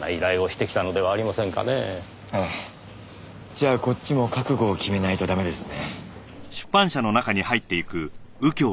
じゃあこっちも覚悟を決めないとダメですね。